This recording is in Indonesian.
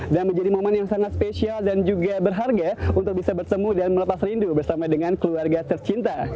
dan menjadi momen yang sangat spesial dan juga berharga untuk bisa bertemu dan melepas rindu bersama dengan keluarga tercinta